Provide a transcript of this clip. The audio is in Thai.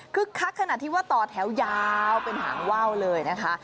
คักขนาดที่ว่าต่อแถวยาวเป็นหางว่าวเลยนะคะ